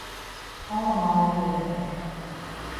Alle manlju binne wekker.